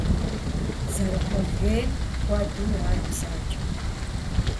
Зэрыкъулейм хуэдэуи ар бзаджэт.